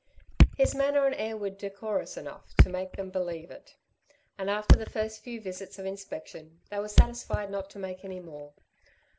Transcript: His manner and air were decorous enough to make them believe it; and after the first few visits of inspection they were satisfied not to make any more.